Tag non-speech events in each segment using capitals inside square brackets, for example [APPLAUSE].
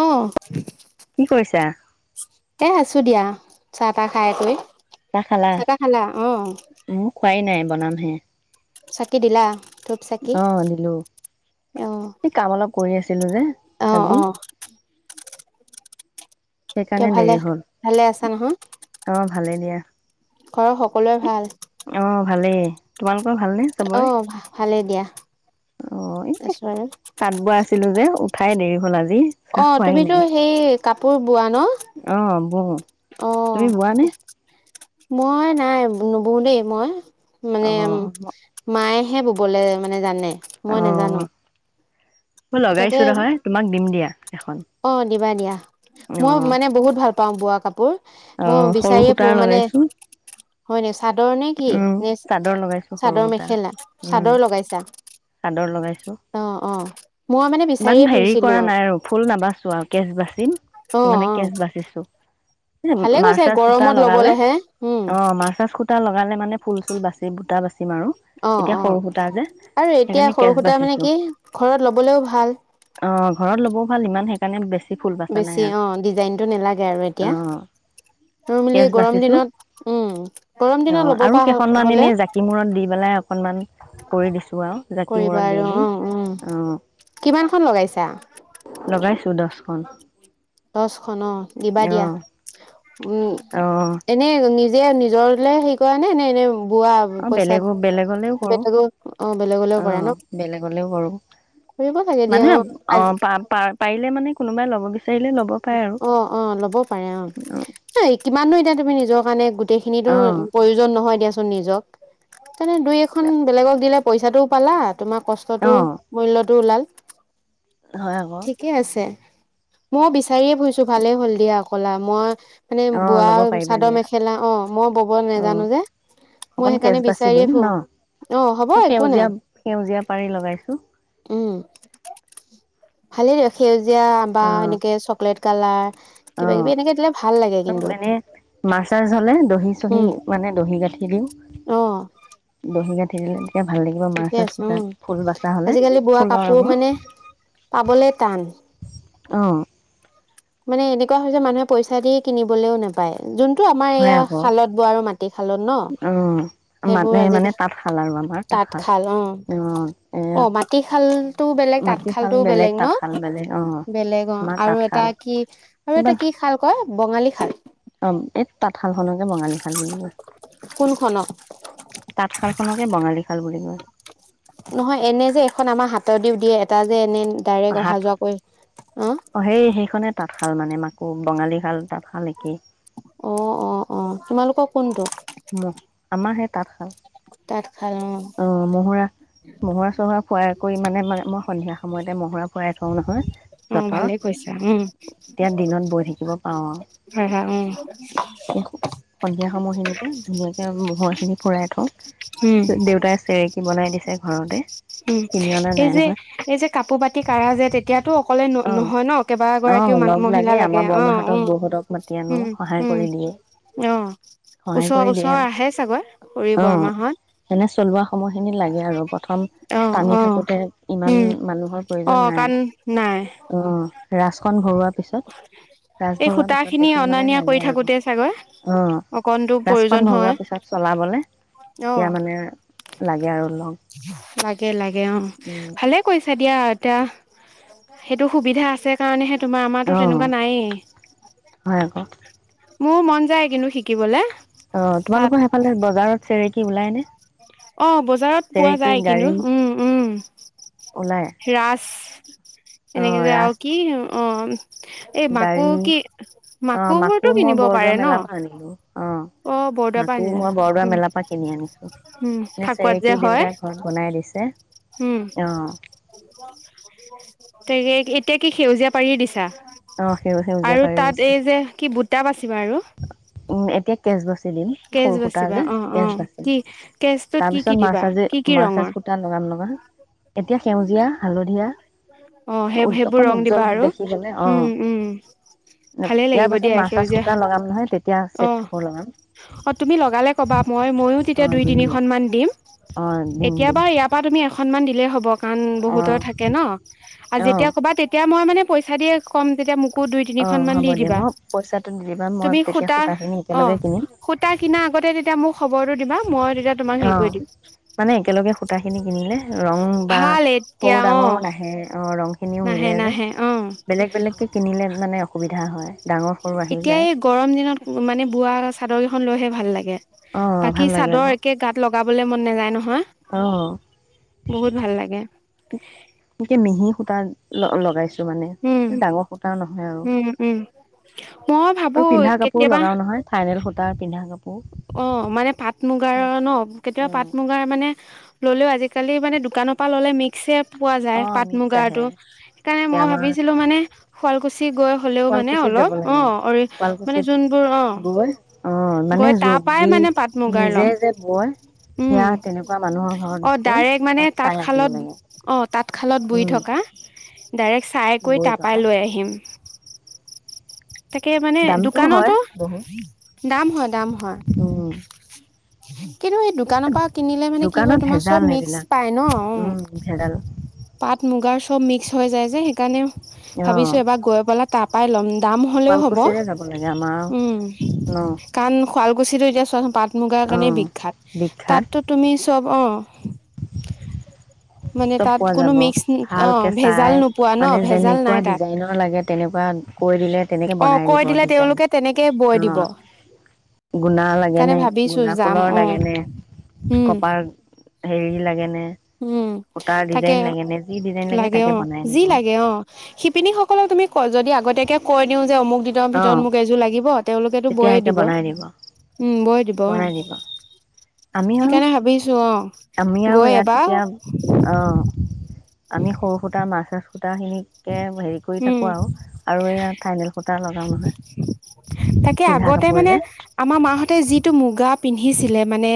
অহ কি কৰিছা? আছো দিয়া, চাহ তাহ খাই কৰি। চাহ তাহ খালা? অহ। উপায় নাই বনামহে। দিলা ধূপ চাকি অহ, দিলো অ এই কাম অলপ কৰি আছিলো যে, অ আজি। অ কিয় সেইকাৰণে দেৰি ভালে, হ'ল। ভালে আছা নহয়? অ' ভালেই দিয়া। ঘৰৰ সকলোৰে ভাল? অ' ভালেই তোমালো অহ, ভালে দিয়া। অহ, এই আছো আৰু তাঁত বোৱা আছিলো যে ঠাই দেৰি হ'ল আজ অহ, তুমিতো সেই কাপোৰ বোৱা অ' বওঁ। ন' তুমি বোৱা নে? অহ। মই নাই নবওঁ দেই মই। মানে উম, অ' মায়ে হে বুবলে মানে জানে। মই নেজানো। অ' মই লগাইছো নহয় তোমাক দিম দিয়া এখন। অহ, দিবা দিয়া মই মানে বহুত ভাল পাওঁ বোৱা কাপোৰ। মই অহ সৰু বিচাৰিয়ে ফুৰো সূতাৰ মানে লগাইছো। হয় নি চাদৰ নে কি উম, নে চাদৰ লগাইছো সৰু চাদৰ সূতাৰ। মেখেলা উম, চাদৰ লগাইছা। চাদৰ লগাইছো অ অ মই মানে ইমান বিচাৰিয়ে হেৰি ফুৰিছিলো কৰা নাই আৰু ফুল দাম চোৱাকছ বাচিম অ মানে অ কেচ বাচিছো এ ভালে কৈছে মাৰ্চাজ সূতা গৰমত লবলৈহে হম টা লগালে মানে ফুল চুল বাচি বুটা বাচি মাৰো অ এতিয়া অ সৰু সুতা যে আৰু এতিয়া সেইকাৰণে কেচ সৰু সুতা মানে বাচিছো কি ঘৰত লবলেও ভাল অ ঘৰত ল'বও ভাল ইমান সে ে [UNINTELLIGIBLE] ইকাৰণে বেছি ফুল বাচা নাই বেছি আৰু অ ডিজাইনটো নেলাগে আৰু অ এতিয়া নৰ্মেলি কেচ গৰম বাচিছো দিনত উম গৰম অ দিনত ল'ব আৰু পৰা কেইখনমান হলে এনেই জাকি মূৰত দি পেলাই অকণমান কৰি দিছো আৰু জাকি মূৰত কৰিবা দি আৰু দি উ উম অ কিমানখন লগাইছা ওলাইছো দহখন দচখন অ দিবা দিয়া উম অ এনে নি যে নিজৰ হে কৰা নে নে এনে বোৱা অ পইচা বেলেগো বেলেগলেও কৰো বেলেগক অ বেলেগলৈ অ কৰা ন বেলেগলেও কৰো কৰিব লাগে দিয়া মানে অ আজ পা প পাৰিলে মানে কোনোবাই ল'ব বিচাৰিলে ল'ব পাৰে আৰু অ অ ল'ব পাৰে অ কিমাননো এতিয়া তুমি নিজৰ কাৰণে গোটেইখিনি তো অ প্ৰয়োজন নহয় দিয়া নিজক মানে দুই এখন বেলেগক দিলে পইচাটোও পালাত তোমাৰ অ কষ্টটো মূল্যটো ওলাল হয় আকৌ ঠিকে আছে মই বিচ চাৰীয়ে পহছোঁ ভাল হ'ল দিয়ক কলা মই মানে অ ল'ব বোৱাৰ পাৰিবা চাদৰ দিয়া মেখেলা আহ মই বব অ নাজানো যে অকন মই কেচ সেইকাৰণে বাচি দিম বিচাৰিয়ে ন ফুৰ আহ হব মই একো সেউজীয়া নাই সেউজীয়া পাৰি লগাইছো উম ভালেই দিয় সেই দিয়া বা অ এনেকে ৰেড কালাৰ অ কিবা কিবি এনেকে দিলে ভাল। লাগে আৰু কিন্তু এনে মাছ চাছ হ'লে দহি চহি মানে দহি গাঠি হেলউ অহ। দহি গাঠি দিলে। তেতিয়া ভাল লাগিব মাৰ ঠিকে চাৰ আছে তাত উম, ফুল বাচা হলে আজিকালি বোৱা ফুলৰ কাপোৰ ৰঙত মানে পাবলে টান। অহ। মানে এনেকুৱা হয় যে মানুহে পইচা দি কিনিবলৈও নোপায়। যোনটো আমাৰ হয় এইয়া আকৌ খালত ব আৰু মাটিশালত ন' অ সেইবোৰ মানে আজিাল মানে তাঁতশাল আৰু আমাৰ তাঁতশাল অ', এ অ', মাটিশাল টোও বেলেগ তাঁতশাল মাটিশাল টোও বেলেগ ন' তাঁতশাল বেলেগ বেলেগ অ', আমাৰ আৰু এটা তাঁতশাল অ', কি আৰু এটা কি খাল কয় বঙালী খাল এই তাঁতশাল খনকে বঙালী খাল বুলি কয় কোনখনক তাঁতশাল খনকে বঙালী খাল বুলি। কয় নহয় এনে যে এখন আমাৰ হাতত দিওঁ দিয়ে তা যে এনে ডাইৰেক্ট অহা হাত যোৱা কৰি অ', সেই সেইখনে তাত ভাল মানে মাকো বঙালী শাল তাঁত শাল অ', অ', অ', তোমালোকৰ কোনটো? মহ আমাৰ সেই তাঁতশাল। তাঁত অ', মহুৰা মহুৰা চহুৰা ফুৰাই কৰি মানে মানে মই সন্ধিয়া সময়তে মহুৰা ফুৰাই থওঁ নহয়। উম, যঁতৰত ভালে কৈছা উম। তেতিয়া দিনত বৈ থাকিব পাৰোঁ আৰু উম, হম, উম। সধিয়া সমাময়খিনিতে ধুনীয়াকে ম'ৰখিনি ফুৰাই থওঁ উম। দেউতাই চেৰেকী বনাই দিছে ঘৰতে। উম, কিনি অনা এই নাই যে, নহয় এই যে, কাপোৰ পাতি কঢ়া যে, তেতিয়াতো অকলে ন অ নহয় ন অ কেইবাগৰাকীয়ো লগ মা-মহিলা লাগে আমাৰ অ', অ', বৰমাহঁতক বৌহঁতক মাতি আনো উম, সহায় উম, কৰি দিয়ে অ', সহায় ওচৰ, কৰি দিয়ে ওচৰ আৰু আহে চাগৈ খুৰী, বৰমাহঁত? [UNINTELLIGIBLE] সময়খিনি লাগে আৰু প্ৰথম অ, টানি অ, থাকোতে ইমান উম, মানুহৰ অ, প্ৰয়োজন নাই, কাৰণ নাই অ', ৰাচ ণ ঘৰুৱা পিছত [UNINTELLIGIBLE] এই ভৰোৱা সূতা পিছত খিনি তেতিয়া অনা মানে নিয়া লাগে কৰি আৰু থাকোতে চাগৈ অ', অকণতো প্ৰয়োজন তাছখন ভৰোৱা হয় পিছত চলাবলে অ, তেতিয়া মানে লাগে আৰু লগ লাগে, লাগ অ', উম ভালে কৈইচা এতিয়া, তিয়া সেইটো সুবিধা আছে কাৰণেহে তোমাৰ আমাৰতো অ তেনেকুৱা নায়েই। হয় আকৌ মোৰ মন যায় কিন্তু শিকিবলে। অ', তাত তোমালোকৰ সেইফালে বজাৰত চেৰেকি ওলাই নে? অ', বজ বজাৰত পোৱা চেৰেকী যায় গাড়ী কিন্তু উম, ওলাই উম ৰাচ অ এনেকে যে আও ৰাজ কি অ'। এই মাকো গাড়ী কি অ মাকো মাকোবোৰতটো মই কিনিব বৰদোৱা পাৰে ন'। মেলাৰ পৰা আনিলো অ', বৰদোৱাৰ পৰা মাকো আনিলা মই বৰদোৱা উম মেলাৰ পৰা কিনি আনিছো উম এ ফাকুৱাত যে চেৰেকী হয় দেউতাই ঘৰত বনাই দিছে। উম, অ তেগে এতিয়া কি সেউজীয়া পাৰি দিছা। অ সেউ সেউজীয়া আৰু পাৰি তাত দিছো এই যে কি বুটা পচিবা আৰু। উম, এতিয়া কেজবছ দিম সেই কেচ সৰু সূতা বাচিবা যে অ অ কেছ বাচ কি কেচটোত কি কি তাৰপিছত দিবা মাৰ্চাজ কি কি মাৰ্চাজ ৰঙৰ সুতা লগ ন লগা। এতিয়া সেউজীয়া, হালধীয়া অ', সেই সেইবোৰ অকণ ৰং উজ্জ্বল দিবা আৰু দেখিবলে অ উম, উম, ভালে ইয়াৰ লাগিব পাছত দিয়া মাৰ্চাজ সেউজীয়া সূতা লগাম নহয় তেতিয়া চেট অ', কাপোৰ লগাম অ', তুমি লগালে কবা মই ময়ো অ তেতিয়া দুই দিম দিয়া তিনিখনমান দিম। অ দিম এতিয়া দিম বাৰু ইয়াৰ পৰা তুমি এখন মান দি দেই হ'বক কাৰণ বহুতৰ থাকে ন'। আ, অ অ যেতিয়া ক'বা তেতিয়া মই মানে পইচা দিয়ে ক'ম যেতিয়া মোক দুই, তিনিখন অ' মান হ'ব দি দিয়া দিবা। মই পইচাটো দি দিবা মই তুমি তেতিয়া সূতা, সূতাখিনি অ', একেলগে কিনিম সূতা কিনা আগতে তেতিয়া মোক খবৰটো দিবা মই তেতিয়া তোমাক হেৰি কৰি অ', দিম মানে একেলগে সূতা খিনি কিনিলে ৰং বা ভাল সৰু এতিয়া অ ডাঙৰো নাহে। অ', ৰং খিনিও নাহে মিলে যে, নাহে অ বেলেগ, বেলেগ কে কিনিলে মানে অসুবিধা হয়। ডাঙৰ সৰু আহি এতিয়া যায় এই গৰম দিনত মানে বোৱা চাদৰ লৈহে ভাল লাগে। অ' ভাল বাকী লাগে চাদৰ আকৌ একে গাত লগ গাবলৈ মন নাযায় ন অ', ভাল লাগে কে মিহি সূতা ল-লগাইছ মানে উম ডাঙৰ সূতা নহয় আৰু, উম উম মই ভাবো আৰু পিন্ধা কাপোৰ কেতিয়াবা লগাও নহয় ফাইনেল সূত তাৰ পিন্ধা কা অ', মানে পাট মুগাৰ ন কেতিয়াবা উম পাট মুগাৰ মানে ল'লেও আজিকালি মানে দোকানৰ পৰা ল'লে মিক্সয়েই পোৱা যায় অ' পাট মিক্স আহে মুগাটো সেইকাৰণে এতিয়া মই আমাৰ ভাবিছিলোঁ মানে শুৱালকুছি? গৈ হ'লেও মানে শুৱালকুছিত অলপ যাব লাগে অ', অৰি মানে শুৱালকুছিত যবোৰ অ', বৈ অ মানে গৈ তাৰ পৰাই যি মানে পাট মুগাৰ নিজে ল'ম যে বয় উম' সেয়া তেনেকুৱা মানুহৰ ঘৰত অ', গৈ ডাইৰেক্ট মানে তাত চাই আনিব তাঁতশালত লাগে অ', তাঁতশালত বই উম থকা। ডাইৰেক্ট চাই কৰি বৈ থকা তাৰাপই লৈ আহিম। তাকে মানে দামটো হয় দোকানটো বহুত দাম হয়, দাম হয়। উম [INAUDIBLE] কিন্তু সেই দোকানৰ পৰা কিনিলে মানে কি হয়, দোকানত তোমাৰ চব ভেজাল মিক্স এইবিলাক পাই ন উম ভেজাল পাট মুগাৰ চব মিক্স হৈ যায় যে সেইকাৰণে অ ভাবিছোঁ এবাৰ গৈ পেলা তাত পাই ল'ম। যাম হ'লেও হ'ব শুৱালকুছিৰে যাব লাগে আমাৰ উম' ন কাৰণ শুৱালকুছিটো এতিয়া চোৱাচোন পাট মুগাৰ অ কাৰণে বিখ্যাত বিখ্যাত তাতটো তুমি চব অ', [INAUDIBLE] মানে চব তাত পোৱা কোনো যাব। মিক্স অ ভালকে ভেজাল চাই, নোপোৱা ন মানে, ভেজাল নাই যেনেকুৱা তাত ডিজাইনৰ লাগে তেনেকুৱা কৈ দিলে তেনেকে অ বনাই কৈ দিব। দিলে ডিজাইন, তেওঁলোকে তেনেকেই বৈ দিব অ', গুণা সেইকাৰণে লাগেনে, ভাবিছো গুণা যাম ফুলৰ অ লাগেনে, উম কপাৰ হেৰি লাগে নে? উম। তাকে যি ডিজাইন লাগে। তাকে অ', বনাই যি দিব লাগে। অ', শিপিনীসকলক তুমি কৈ যদি আগ তিয়াকে কৈ দিওঁ যে অমুক দিনৰ অঁ ভিতৰত মোক এযোৰ লাগিব তেওঁলোকেতো তেতিয়া বয়ে একে দিব বনাই উম বয়ে দিব আমি আৰু সেইকাৰণে ভাবিছো অ আমি আৰু গৈ ইয়াত বা এতিয়া অঁ আমি সৰু সুতা মাছ আছো সূতাখিনিকে হেৰি কৰি উম থাকোঁ আৰু আৰু এয়া থাইনেল সূতা লগাওঁ নহয় তাকে পিন্ধা কাপোৰ যে এইটো মুগা পিন্ধিছিলে মানে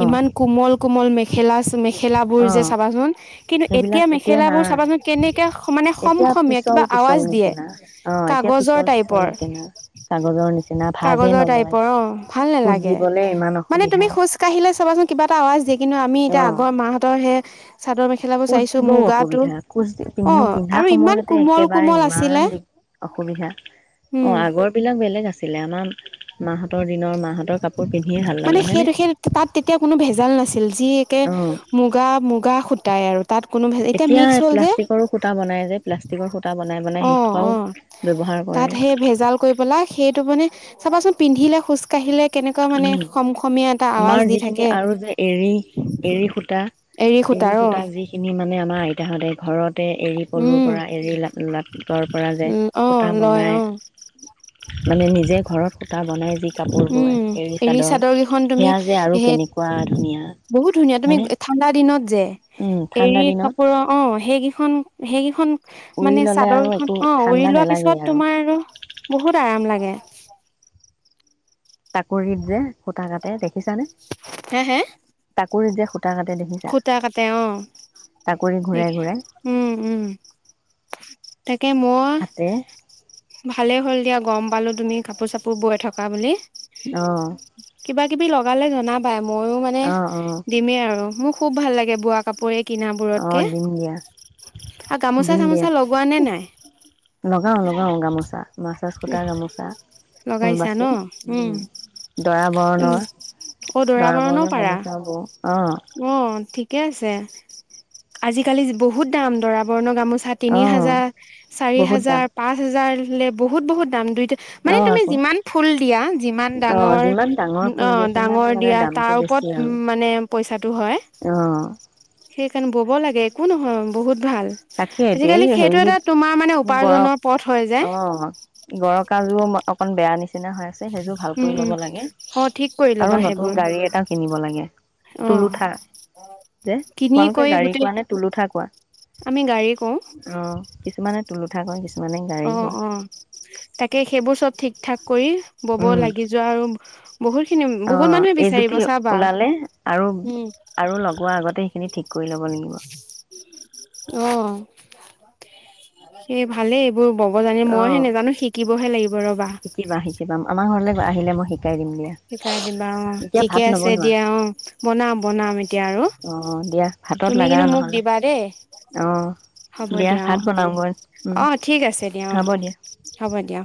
অঁ ইমান কোমল কোমল মেখেলা মেখেলাবোৰ যে অঁ চাবাচোন কিন্তু সেইবিলাক এতিয়া মেখেলাবোৰ নাই চাবাচোন কেনেকৈ মানে খম এতিয়া খমীয়া পিচল কিবা পিচল আৱাজ দিয়ে নিচিনা অ এতিয়া কাগজৰ পিচল পিচল টাইপৰ নিচিনা কাগজৰ নিচিনা ভাজেই কাগজৰ নলয় টাইপৰ অ ভাল কোচ নালাগে দিবলৈ ইমান মানে তুমি অসুবিধা খোজ কাঢ়িলে চাবাচোন কিবা এটা আৱাজ দি কিন্তু আমি এতিয়া অঁ আগৰ মাহতৰ হে চাদৰ মেখেলাবোৰ কোচ চাইছো দিবও মুগাটো অসুবিধা কোচ অ পিন্ধো পিন্ধা ইমান সময়তে কোমল একেবাৰে কোমল আছিলে ইমান দিগ অসুবিধা উম অ আগৰ বিলাক বেলেগ আছিলে আমাৰ মাহঁতৰ দিনৰ মাহঁতৰ কাপোৰ পিন্ধিয়ে ভাল মানে লাগে হয়নে সেইটো সেই তাত তেতিয়া কোনো ভেজাল নাছিল যি একে অ মুগা মুগা খুটাই আৰু তাত কোনো এতিয়া মিক্স হল যে প্লাষ্টিকৰো সূতা বনাই যে প্লাষ্টিকৰ সূতা বনাই বনাই অ সেইসোপাও অ ব্যৱহাৰ তাত কৰে সেই ভেজাল কৰি পেলাই সেইটো মানে চাবাচোন পিন্ধিলে খোজকাঢ়িলে উম আমাৰ দি থাকে যিখিনি আৰু যে এৰী এৰী সুতা এৰী সূতাৰ অ সুতা যিখিনি মানে আমাৰ আ তোহাঁতে ঘৰত ততে এৰী পলুৰ উম পৰা এৰী লৰ পৰা যে উম অ পতা লয় বনাই অ মানে নিজে ঘৰত সূতা বনাই যি কাপোৰ উম বয় এৰী চাদৰ কেইখন তুমি সেয়া যে আৰু কেনেকুৱা স ধুনীয়া বহুত ধুনীয়া তুমি হয়নে ঠাণ্ডা দিনত যে উম এৰী ঠাণ্ডা দিনত কাপোৰৰ অ সেইকেইখন সেইকেইখন উৰি মানে ললে চাদৰ আৰু কখন একো অ উৰি ঠাণ্ডা লোৱা পিছত নেলাগেই তোমাৰ আৰু বহুত আৰাম লাগে চাকৰিত যে সুতা কাটে দেখিছানে তাকো নিজে খুতা কাটে অ টাকুৰি দে ঘূৰাই ঘূৰাই উম উম তাকে মই হাতে ভালেই হ'ল দিয়া গম পালো তুমি কাপোৰ চাপোৰ বৈ থকা বুলি অ'। কিবা কিবি লগালে জনাবাই মইয়ো মানে অ অ দিমেই আৰু খুব ভাল লাগে বোৱা কাপোৰ, এই অ', দিম দিয়া। দিম গামোচা-চামোচা লগোৱা নে নাই? অ', লগাওঁ গামোচা। মাছাজ সূতা গামোচা ফুল লগাইছা বাচি ন'? উম, দৰা উম। বৰণৰ অ', দৰা বৰণৰো বৰণৰ পাৰা। গামোচা বওঁ অ অ', ঠিকে আছে। আজিকালি বহুত দাম দৰাবৰণৰ গামোচা তিনি অ হাজাৰ, চাৰি বহুত দাম হাজাৰ, পাঁচ হাজাৰ বোলে বহুত বহুত দাম দুই অ মানে তুমি আকৌ যিমান ফুল দিয়া যিমান অ ডাঙৰ যিমান ডাঙৰ ফুল অ', দিয়ে সিমান ডাঙৰ মানে দিয়া দামটো তাৰ বেছি ওপৰত আৰু মানে পইচাটো হয় অ সেইকাৰণে বব লাগে একো নহয়। বহুত ভাল তাকে এতিয়া আজিকালি এই সেইটো হেৰি এটা তোমাৰ মানে উপাৰ্জনৰ পথ হয় যে। গৰকাজুও অকন বেয়া নিচিনা। বেয়া হৈ আছে সেইযোৰ ভাল উম কৰি ল'ব উম লাগে অ ঠিক কৰি ল'বা আৰু নতুন সেইবোৰ গাড়ী এটা কিনিব লাগে অ তুলোঠা যে কিনি তোমালোকে কৰি গাড়ী গোটেই কোৱা নে তুলোঠা কোৱা। আমি গাড়ী কওঁ। মানে তুলোঠা কয় কিছ অ', অ', তাকে সেইবোৰ চব ঠিক ঠাক। কৰি ব'ব উম লাগি যোৱা আৰু বহুত খিনি বহুত অ', মানুহে বিচাৰিব এইজুতি চাবা ওলালে আৰু আৰু লগোৱাৰ আগতে সেইখিনি ঠিক কৰি ল'ব লাগিব। এ ভালেই। বোৰ বব জানে মইহে অ নাজানো শিকি ব'ব হে লাগ শিকিবা শিকিবা আমাৰ ঘৰলৈ বা আহিলে মই শিক শিকাই দিবা অ', ঠিকে আছে নবনোৱা দিয়া অ', বনাম বনাম এতিয়া আৰু অঁ দিয়া ভাতত তুমি লাগা কিন্তু মোক নহ'লে দিবা দেই অঁ হ'ব দিয়া ভাত অ', বনাওঁগৈ অ', ঠিক আছে দিয়া অ', হ'ব দিয়া।